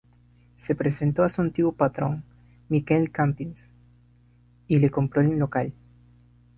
Se presentó a su antiguo patrón, Miquel Campins, y le compró el local.